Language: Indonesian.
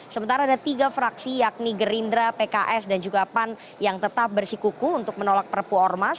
sementara ada tiga fraksi yakni gerindra pks dan juga pan yang tetap bersikuku untuk menolak perpu ormas